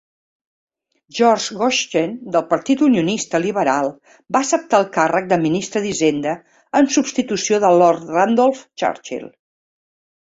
George Goschen del Partit Unionista Liberal va acceptar el càrrec de Ministre d"Hisenda en substitució de Lord Randolph Churchill.